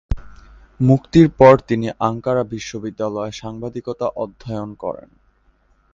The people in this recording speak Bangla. মুক্তির পর তিনি আঙ্কারা বিশ্ববিদ্যালয়ে সাংবাদিকতা অধ্যয়ন করেন।